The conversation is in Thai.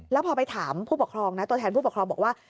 แล้วพอไปถามผู้ปกครองนะตัวแทนผู้ปกครองบอกว่า